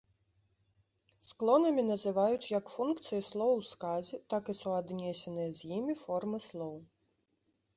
Склонамі называюць як функцыі слоў у сказе, так і суаднесеныя з імі формы слоў.